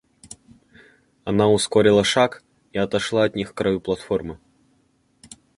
Она ускорила шаг и отошла от них к краю платформы.